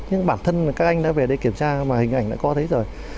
nhưng bản thân các anh đã về đây kiểm tra mà hình ảnh đã có thế rồi